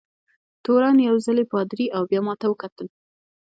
تورن یو ځلي پادري او بیا ما ته وکتل.